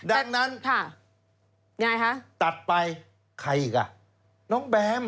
ดังนั้นตัดไปใครอีกอ่ะน้องแบม